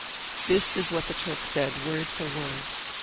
This is what the Turk said, word for word.